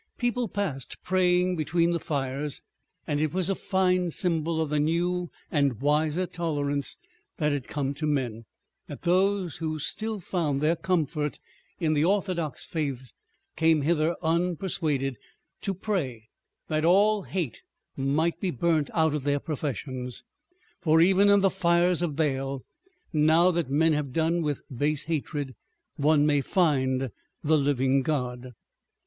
People passed praying between the fires, and it was a fine symbol of the new and wiser tolerance that had come to men, that those who still found their comfort in the orthodox faiths came hither unpersuaded, to pray that all hate might be burnt out of their professions. For even in the fires of Baal, now that men have done with base hatred, one may find the living God.